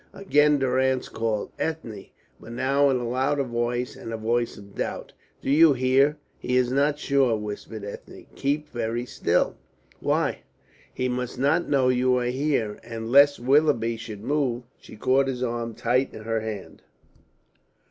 Again Durrance called "Ethne," but now in a louder voice, and a voice of doubt. "Do you hear? He is not sure," whispered Ethne. "Keep very still." "Why?" "He must not know you are here," and lest Willoughby should move, she caught his arm tight in her hand.